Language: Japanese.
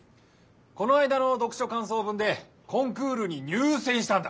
この間の読書かんそう文でコンクールに入せんしたんだ。